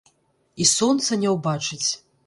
І сонца не ўбачыць.